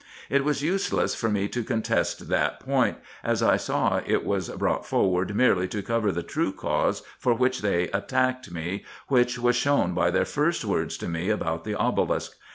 It was useless for me to contest that point, as I saw it was brought forward merely to cover the true cause for which they attacked me, which was shown by their first words to me about the obelisk.